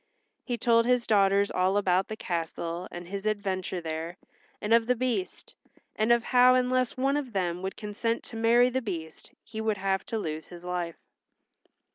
He told his daughters all about the castle and his adventure there and of the Beast, and of how unless one of them would consent to marry the Beast he would have to lose his life.